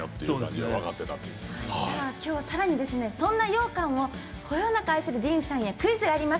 きょうはさらにそんな羊羹をこよなく愛するＤＥＡＮさんへクイズがあります。